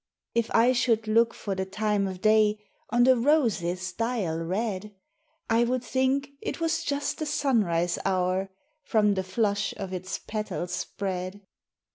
IF I should look for the time o' day On the rose's dial red, I would think it was just the sunrise hour, From the flush of its petals spread.